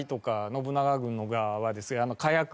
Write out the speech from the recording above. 信長軍の側は火薬もね